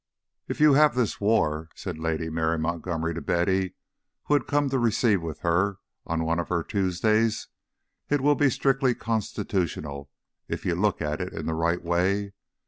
IX "If you have this war," said Lady Mary Montgomery to Betty, who had come to receive with her on one of her Tuesdays, "it will be strictly constitutional if you look at it in the right way.